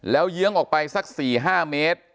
แล้วเยื้องออกไปสัก๔๕เมตร